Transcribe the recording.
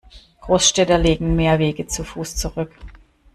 Großstädter legen mehr Wege zu Fuß zurück.